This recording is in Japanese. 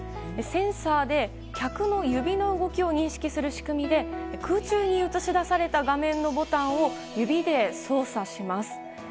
センサーで客の指の動きを認識する仕組みで空中に映し出された画面のボタンを指で操作します。